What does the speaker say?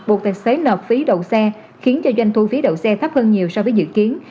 buộc tài xế nợp phí đậu xe khiến cho doanh thu phí đậu xe thấp hơn nhiều so với dự kiến